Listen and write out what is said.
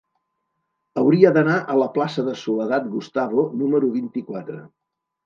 Hauria d'anar a la plaça de Soledad Gustavo número vint-i-quatre.